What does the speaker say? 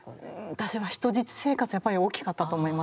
私は人質生活がやっぱり大きかったと思います。